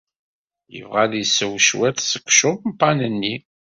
Yebɣa ad isew cwiṭ seg ucampan-nni.